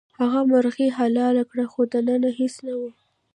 هغه مرغۍ حلاله کړه خو دننه هیڅ نه وو.